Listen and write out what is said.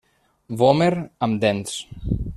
Vòmer amb dents.